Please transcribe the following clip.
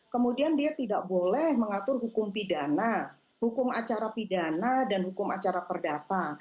kemudian dia tidak boleh mengatur hukum pidana hukum acara pidana dan hukum acara perdata